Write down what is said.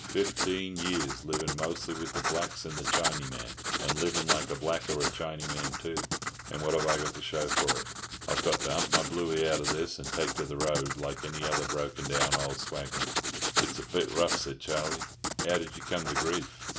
"Fifteen years livin' mostly with the blacks and the Chineyman, and livin' like a black or a Chineyman, too. And what have I got to show for it? I've got to hump my bluey out of this, and take to the road like any other broken down old swagman." "It's a bit rough," said Charlie. "How did you come to grief?"